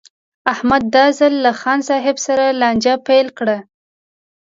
احمد دا ځل له خان صاحب سره لانجه پیل کړه.